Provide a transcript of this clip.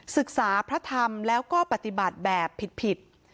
ศึกษาพระธรรมแล้วก็ปฏิบัติแบบผิด